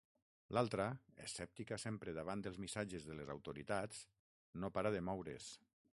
L'altra, escèptica sempre davant dels missatges de les autoritats, no para de moure's.